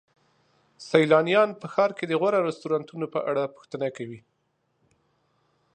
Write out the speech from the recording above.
سیلانیان په ښار کې د غوره رستورانتونو په اړه پوښتنه کوي.